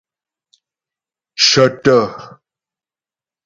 Cə̀tə̀.